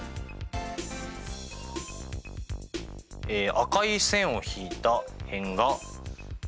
赤い線を引いた辺が２：４。